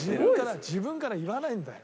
自分からは言わないんだよ。